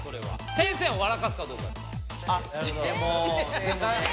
先生を笑かすかどうかですから。